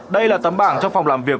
đây là tấm bảng trong phòng làm việc